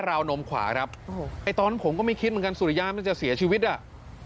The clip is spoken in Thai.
วนมขวาครับโอ้โหไอ้ตอนผมก็ไม่คิดเหมือนกันสุริยะมันจะเสียชีวิตอ่ะ